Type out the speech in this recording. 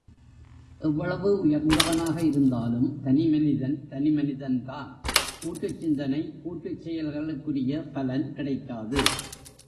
எவ்வளவு உயர்ந்தவனாக இருந்தாலும் தனி மனிதன், தனிமனிதன்தான் கூட்டுச் சிந்தனை, கூட்டுச் செயல்களுக்குரிய பலன் கிடைக்காது.